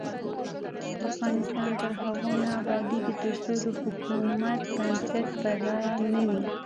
افغانستان تر هغو نه ابادیږي، ترڅو د حکومت بنسټ پر رایه نه وي.